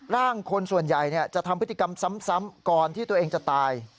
ร่างคนส่วนใหญ่จะทำพฤติกรรมซ้ำก่อนที่ตัวเองจะตาย